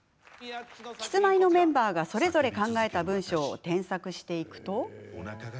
キスマイのメンバーがそれぞれ考えた文章を添削していくと。